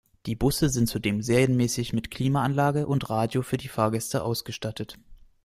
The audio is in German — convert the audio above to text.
Die Busse sind zudem serienmäßig mit Klimaanlage und Radio für die Fahrgäste ausgestattet.